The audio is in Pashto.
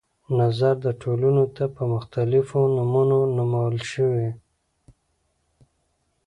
نظر د ټولنو ته په مختلفو نمونو نومول شوي.